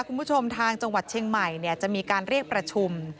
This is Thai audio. คุณผู้ชมทางจังหวัดเชียงใหม่จะมีการเรียกประชุม